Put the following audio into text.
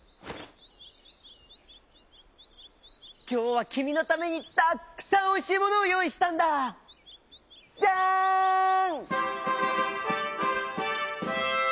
「きょうはきみのためにたっくさんおいしいものをよういしたんだ！じゃん！」。